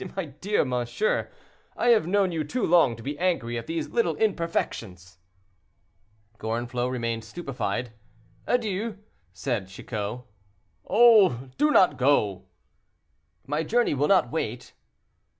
my dear monsieur, I have known you too long to be angry at these little imperfections." Gorenflot remained stupefied. "Adieu," said Chicot. "Oh! do not go." "My journey will not wait."